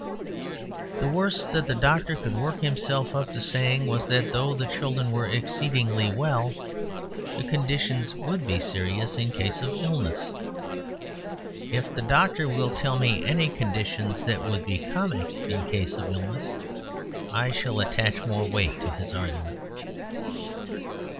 The worse that the doctor could work himself up to saying was that though the children were "exceedingly" well, the conditions would be serious in case of illness. If the doctor will tell me any conditions that would be comic in case of illness, I shall attach more weight to his argument.